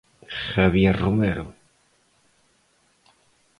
Javier Romero.